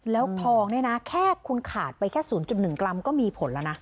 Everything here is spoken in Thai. แล้วทองเนี่ยนะแค่คุณขาดไปแค่ศูนย์จุดหนึ่งกรัมก็มีผลแล้วนะ